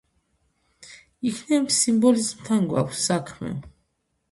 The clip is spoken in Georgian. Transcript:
იქნებ სიმბოლიზმთან გვაქვს საქმე?